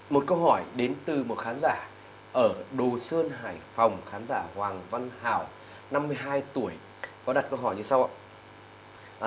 một câu hỏi đến từ một khán giả ở đồ sơn hải phòng khán giả hoàng văn hảo năm mươi hai tuổi có đặt câu hỏi như sau ạ